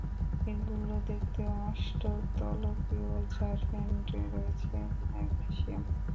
এগুলো দেখতে অষ্টতলকীয়, যার কেন্দ্রে রয়েছে ম্যাগনেসিয়াম।